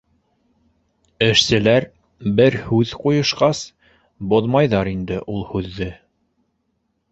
Эшселәр, бер һүҙ ҡуйышҡас, боҙмайҙар инде ул һүҙҙе.